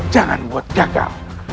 jangan buat gagal